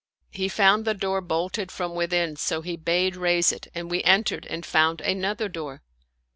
He found the door bolted from within ; so he bade raise it and we entered and found another door.